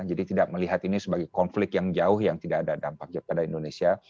jadi tidak melihat ini sebagai konflik yang jauh yang tidak ada dampak pada indonesia